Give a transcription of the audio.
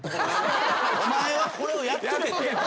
「お前はこれをやっとけ」